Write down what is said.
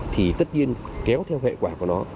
thì tất nhiên kéo theo hệ quả của nó